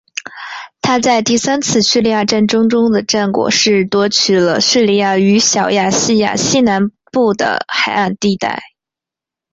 他在第三次叙利亚战争中的战果是夺取了叙利亚与小亚细亚西南部的海岸地带。